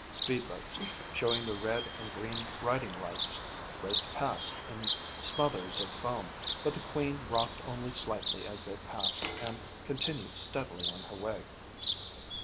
Speed boats, showing their red and green riding lights, raced past in smothers of foam but the Queen rocked only slightly as they passed and continued steadily on her way.